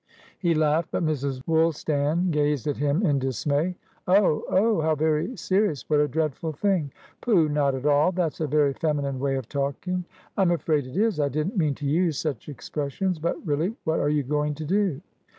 He laughed; but Mrs. Woolstan gazed at him in dismay. "Oh! Oh! How very serious! What a dreadful thing!" "Pooh! Not at all. That's a very feminine way of talking." "I'm afraid it is. I didn't mean to use such expressions. But reallywhat are you going to do?"